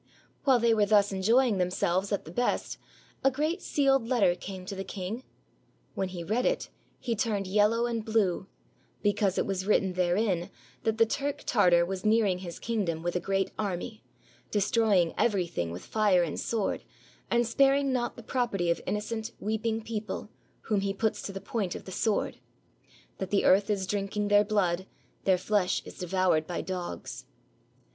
While they were thus enjoying themselves at the best, 395 AUSTRIA HUNGARY a great sealed letter came to the king. When he read it, he turned yellow and blue, because it was written therein that the Turk Tartar was nearing his kingdom with a great army, destroying everything with fire and sword, and sparing not the property of innocent, weeping people, whom he puts to the point of the sword; that the earth is drinking their blood, their flesh is devoured by dogs.